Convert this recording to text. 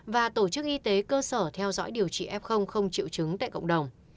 và tổ chức y tế cơ sở theo dõi điều trị f không triệu chứng tại cộng đồng